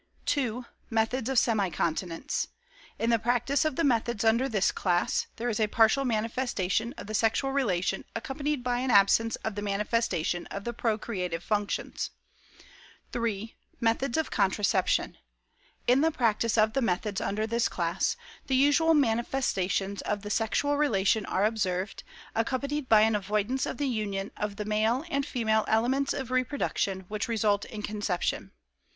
II. METHODS OF SEMI CONTINENCE. In the practice of the methods under this class, there is a partial manifestation of the sexual relation accompanied by an absence of the manifestation of the procreative functions. III. METHODS OF CONTRACEPTION. In the practice of the methods under this class, the usual manifestations of the sexual relation are observed, accompanied by an avoidance of the union of the male and female elements of reproduction which result in conception.